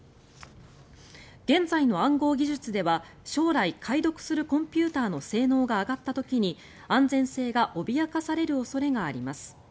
現在の暗号技術では将来、解読するコンピューターの性能が上がった時に安全性が脅かされる恐れがあります。